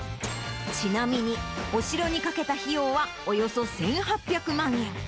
ちなみに、お城にかけた費用はおよそ１８００万円。